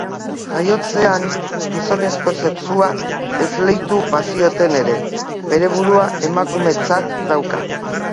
Jaiotzean gizonezko sexua esleitu bazioten ere, bere burua emakumetzat dauka.